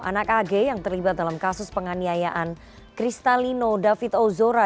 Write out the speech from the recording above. anak ag yang terlibat dalam kasus penganiayaan kristalino david ozora